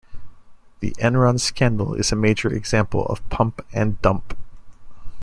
The Enron scandal is a major example of pump and dump.